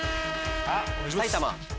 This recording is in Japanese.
埼玉。